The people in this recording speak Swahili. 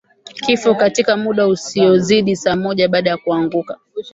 Kifo katika muda usiozidi saa moja baada ya kuanguka